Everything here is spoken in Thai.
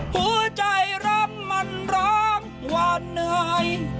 หัวใจร่ำมันร้องหวานเหนื่อย